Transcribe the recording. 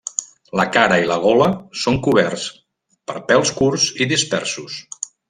La cara i la gola són coberts per pèls curts i dispersos.